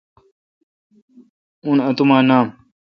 اون اتوما نام۔